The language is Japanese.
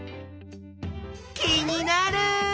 気になる！